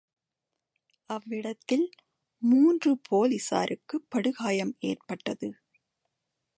அவ்விடத்தில் மூன்று போலிஸாருக்குப் படுகாயம் எற்பட்டது.